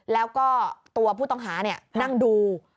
แล้วก็ตัวผู้ต้องหานั่งดู